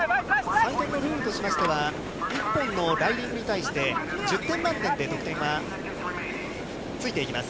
採点のルールとしましては、１本のライディングに対して１０点満点で得点はついていきます。